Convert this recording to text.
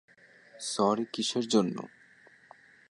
Sorry কিসের জন্য?